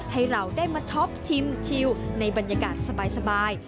ให้เราได้มาช็อปชิมชิวในบรรยากาศสบาย